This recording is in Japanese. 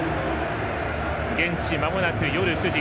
現地まもなく夜９時。